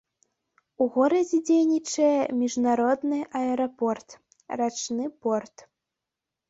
У горадзе дзейнічае міжнародны аэрапорт, рачны порт.